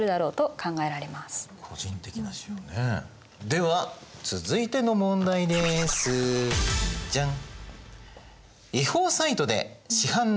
では続いての問題です！じゃん。